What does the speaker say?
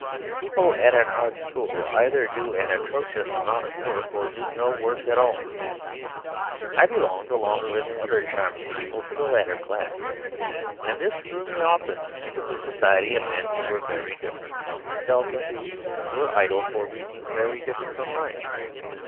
People at an art school either do an atrocious amount of work or do no work at all. I belonged, along with other charming people, to the latter class; and this threw me often into the society of men who were very different from myself, and who were idle for reasons very different from mine.